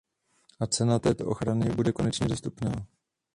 A cena této ochrany bude konečně dostupná.